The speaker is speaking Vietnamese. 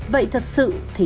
vậy thật sự thì